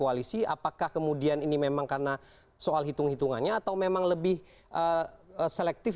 apakah kemudian ini memang karena soal hitung hitungannya atau memang lebih selektif